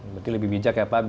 berarti lebih bijak ya pak